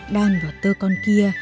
đan vào tơ con kia